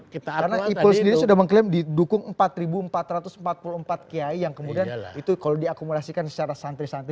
karena ipol sendiri sudah mengklaim didukung empat ribu empat ratus empat puluh empat kiai yang kemudian itu kalau diakumulasikan secara santri santri